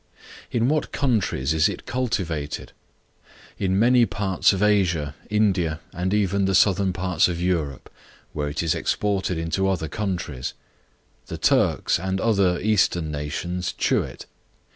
In what countries is it cultivated? In many parts of Asia, India, and even the southern parts of Europe, whence it is exported into other countries. The Turks, and other Eastern nations, chew it.